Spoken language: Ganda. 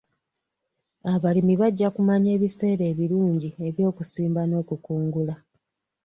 Abalimi bajja kumanya ebiseera ebirungi eby'okusimba n'okukungula.